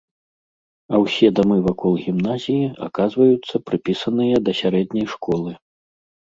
А ўсе дамы вакол гімназіі аказваюцца прыпісаныя да сярэдняй школы.